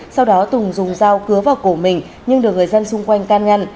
sau đó tùng dùng dao cứa vào cổ mình nhưng được người dân xung quanh can ngăn